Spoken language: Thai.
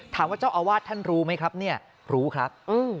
ถามว่าเจ้าอาวาสท่านรู้ไหมครับเนี่ยรู้ครับ